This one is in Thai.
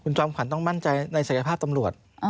จอมขวัญต้องมั่นใจในศักยภาพตำรวจ